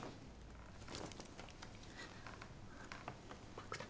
爆弾。